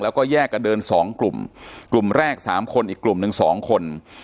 แล้วก็แยกกันเดินสองกลุ่มกลุ่มแรกสามคนอีกกลุ่มหนึ่งสองคน